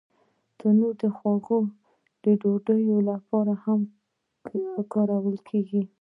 تنور د خوږو ډوډیو لپاره هم کارېږي